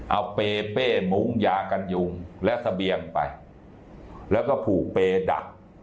เอาเปเป้มุ้งยากันยุงและเสบียงไปแล้วก็ผูกเปรดัก